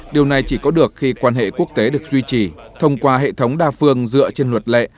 điều này chỉ có được khi quan hệ quốc tế được duy trì thông qua hệ thống đa phương dựa trên luật lệ